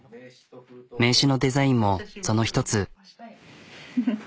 名刺のデザインもその一つ。